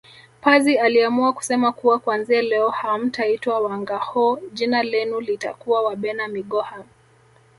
Pazi aliamua kusema kuwa kuanzia leo hamtaitwa Wangâhoo jina lenu litakuwa Wabena migoha